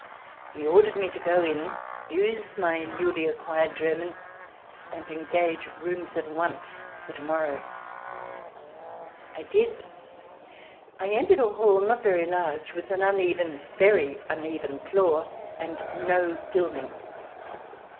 He ordered me to go in, use my newly acquired German, and engage rooms at once for to morrow. I did. I entered a hall, not very large, with an uneven — very uneven — floor, and no gilding.